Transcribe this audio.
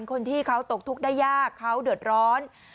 คนที่เขาตกทุกข์ได้ยากเขาเดือดร้อน